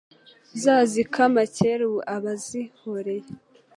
Uzazikama kera ubu ba uzihoreye